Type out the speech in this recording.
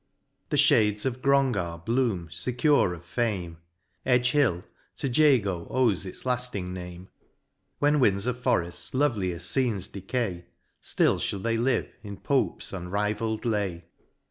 The fliades of Grongar bloom fecure of fame ; Edge hill to Jago owes its lafting name ; When Windsor forest's loveliefl: fcencs decay, Still fhall they live in Pope's unrivall'd lay.